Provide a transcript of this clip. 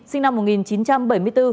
sinh năm một nghìn chín trăm bảy mươi bốn